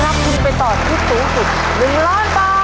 จะรับทุนไปต่อชีวิตสูงสุด๑๐๐๐๐๐๐บาท